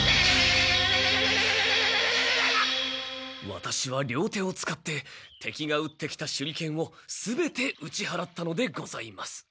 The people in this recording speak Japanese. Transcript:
「ワタシは両手を使って敵が打ってきた手裏剣を全て打ちはらったのでございます。